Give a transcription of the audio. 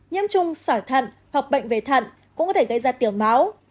nhiễm trùng sỏi thận hoặc bệnh về thận cũng có thể gây ra tiểu máu